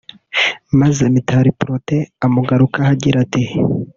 maze Mitali Protais amugarukaho agira ati